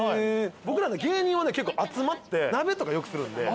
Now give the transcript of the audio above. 芸人は集まって鍋とかよくするんで。